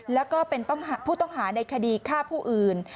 แล้วก็เป็นผู้ต้องหาในคดีฆ่าผู้อื่น